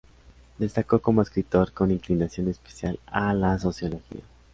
Destacó como escritor, con inclinación especial a la Sociología.